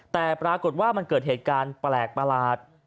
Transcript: แต่ปรากฏว่ามันเกิดเหตุการณ์แปลกประหลาด